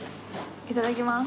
いただきます。